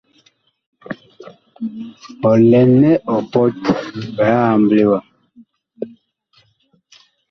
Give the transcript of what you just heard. Ɔ lɛ nɛ ɔ pɔt biig amble wa.